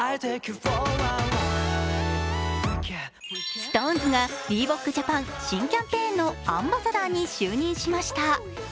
ＳｉｘＴＯＮＥＳがリーボックジャパン新キャンペーンのアンバサダーに就任しました。